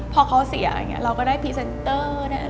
พอเขาเสียเราก็ได้พีเซนเตอร์